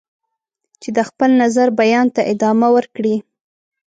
چې د خپل نظر بیان ته ادامه ورکړي.